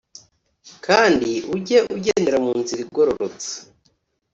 kandi ujye ugendera mu nzira igororotse